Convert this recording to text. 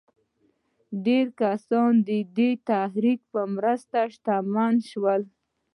ډېر کسان د دې تحرک په مرسته شتمن شول.